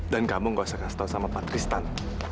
dan kamu gak usah kasih tau sama patristan